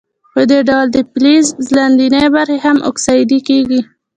په دې ډول د فلز لاندینۍ برخې هم اکسیدي کیږي.